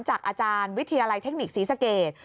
จากอาจารย์วิทยาลัยเทคนิคศรีสเกต